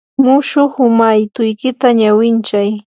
mushuq maytuykita ñawinchay.